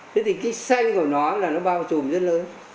thế thì cái xanh của nó là nó bao trùm rất lớn